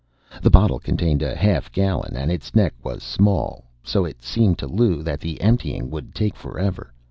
The bottle contained a half gallon, and its neck was small, so it seemed to Lou that the emptying would take forever.